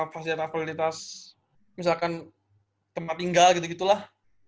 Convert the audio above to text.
fasilitas misalkan tempat tinggal gitu gitulah